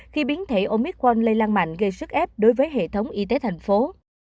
khi biến thể omicron lây lan mạnh gây sức ép đối với hệ thống y tế thành phố